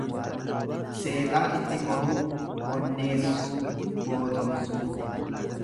Seexaa itti horuu, onneessuu, gootomsuu.